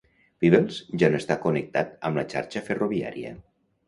Peebles ja no està connectat amb la xarxa ferroviària.